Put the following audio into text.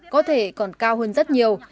có thể còn cao hơn rất nhiều